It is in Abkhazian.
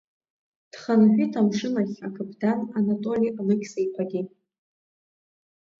Дхынҳәит амшын ахь акаԥдан Анатоли Алықьса-иԥагьы.